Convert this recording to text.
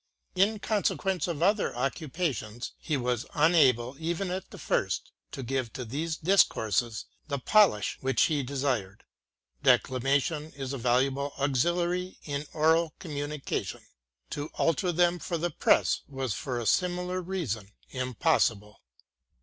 In consequence of other occupations, he was unable, even at first, to give to these discourses the polish which he desired. Declamation is a valuable auxiliary in oral communi cation. To alter them for the press was for a similar reason impossible.